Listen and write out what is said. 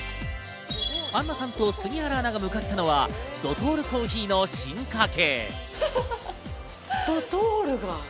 アンナさんと杉原アナが向かったのはドトールコーヒーの進化系。